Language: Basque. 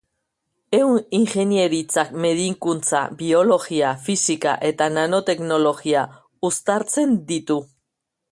Ehun-ingeniaritzak medikuntza, biologia, fisika eta nanoteknologia uztartzen ditu.